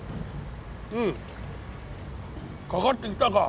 うん。かかってきたか。